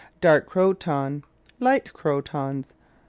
Dark Crotons. light Crotons.